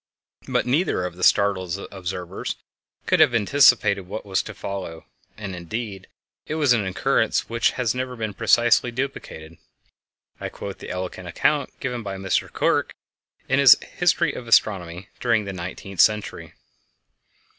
But neither of the startled observers could have anticipated what was to follow, and, indeed, it was an occurrence which has never been precisely duplicated. I quote the eloquent account given by Miss Clerke in her _History of Astronomy During the Nineteenth Century.